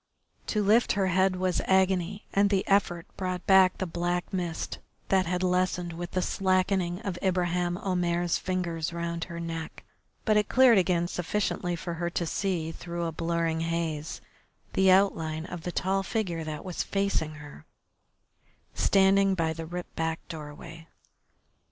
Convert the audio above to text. To lift her head was agony, and the effort brought back the black mist that had lessened with the slackening of Ibraheim Omair's fingers round her neck, but it cleared again sufficiently for her to see, through a blurring haze, the outline of the tall figure that was facing her, standing by the ripped back doorway.